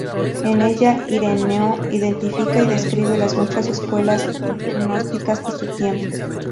En ella, Ireneo identifica y describe las muchas escuelas gnósticas de su tiempo.